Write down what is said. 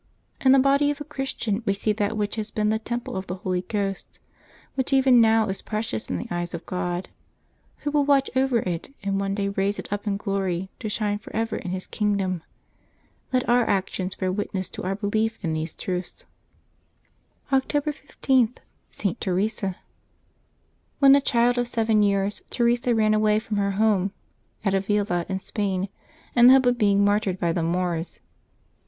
— In the body of a Christian we see that which has been the temple of the Holy Ghost, which even now is precious in the eyes of God, Who will watch oyer it, and one day raise it up in glory to shine forever in His kingdom. Let our actions bear witness to our belief in these truths. October 15.— ST. TERESA. ^rtHEN a child of seven years, Teresa ran away from her \MJ home at Avila in Spain, in the hope of being mar tyred by the Moors.